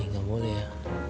ya gak boleh ya